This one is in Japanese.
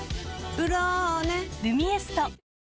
「ブローネ」「ルミエスト」